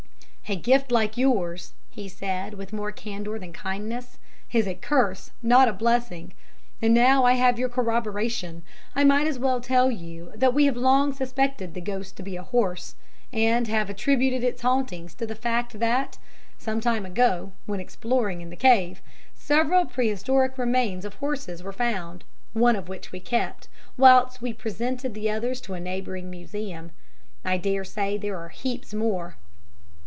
"A gift like yours," he said, with more candour than kindness, "is a curse, not a blessing. And now I have your corroboration, I might as well tell you that we have long suspected the ghost to be a horse, and have attributed its hauntings to the fact that, some time ago, when exploring in the cave, several prehistoric remains of horses were found, one of which we kept, whilst we presented the others to a neighbouring museum. I dare say there are heaps more."